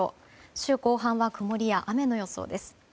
週後半は曇りや雨の予想です。